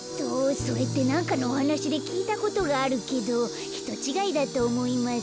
それってなんかのおはなしできいたことがあるけどひとちがいだとおもいます。